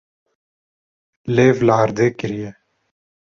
Lêv li erdê kiriye.